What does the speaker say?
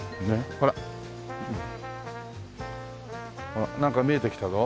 ほらなんか見えてきたぞ。